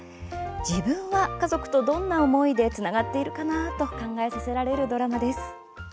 自分は家族とどんな思いでつながっているかなと考えさせられるドラマです。